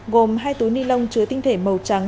gồm hai túi ni lông chứa tinh thể màu trắng